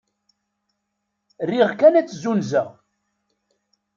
Riɣ kan ad t-nessunzeɣ.